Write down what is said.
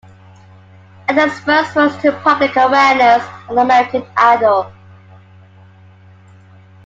Adams first rose to public awareness on "American Idol".